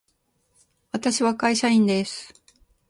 私は会社員です。